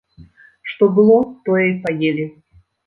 Што было, тое і паелі.